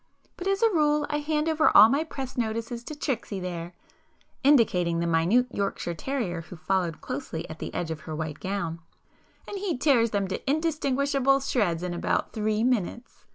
But as a rule I hand over all my press notices to Tricksy there,"—indicating the minute Yorkshire terrier who followed closely at the edge of her white gown,—"and he tears them to indistinguishable shreds in about three minutes!"